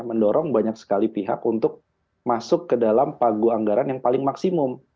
mendorong banyak sekali pihak untuk masuk ke dalam pagu anggaran yang paling maksimum